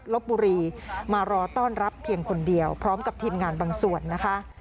ลบบุรีมารอต้อนรับเพียงคนเดียวพร้อมกับทีมงานบางส่วนนะคะ